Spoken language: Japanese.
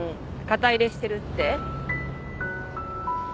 肩入れしてるって？